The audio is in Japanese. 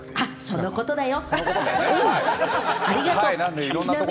そのことだよ！